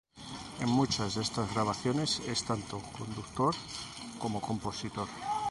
En muchas de estas grabaciones es tanto conductor como compositor.